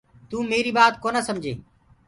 تو ميريٚ ٻآت ڪونآ سمجي۔